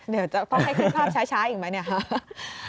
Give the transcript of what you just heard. เดี๋ยวจะต้องให้ขึ้นภาพช้าอีกไหมเนี่ย